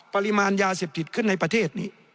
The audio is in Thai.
ปริมาณยาเสพติดขึ้นในประเทศนี้